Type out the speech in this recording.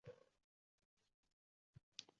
ko‘rsatuvchi judayam ajoyib videorolik taqdim etildi.